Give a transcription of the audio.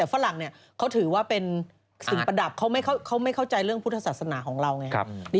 ฝรั่งเขาถือว่าเป็นสิ่งประดับเขาไม่เข้าใจเรื่องพุทธศาสนาของเราไง